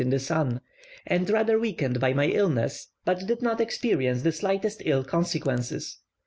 in the sun), and rather weakened by my illness, but did not experience the slightest ill consequences.